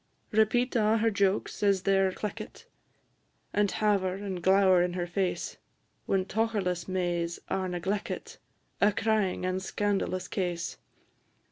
Repeat a' her jokes as they 're cleckit, And haver and glower in her face, When tocherless Mays are negleckit A crying and scandalous case.